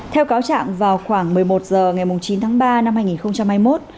theo cáo trạng vào khoảng một mươi một h ngày chín tháng ba năm hai nghìn hai mươi một